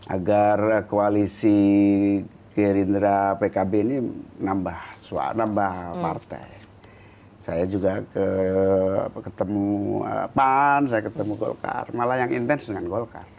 agar koalisi gerindra pkb ini nambah partai saya juga ketemu pan saya ketemu golkar malah yang intens dengan golkar